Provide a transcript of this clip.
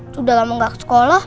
sudah lama nggak ke sekolah